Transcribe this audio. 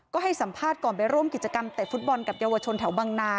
ก็ให้สัมภาษณ์ก่อนไปร่วมกิจกรรมเตะฟุตบอลกับเยาวชนแถวบังนา